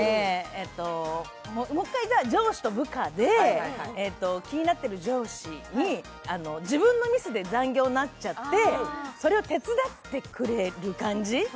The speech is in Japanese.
もう一回、上司と部下で気になっている上司に自分のせいで残業になっちゃってそれを手伝ってくれる感じ。